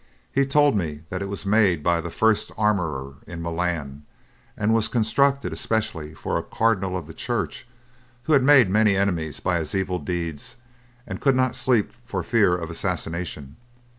He told me that it was made by the first armourer in Milan, and was constructed especially for a cardinal of the church, who had made many enemies by his evil deeds and could not sleep for fear of assassination.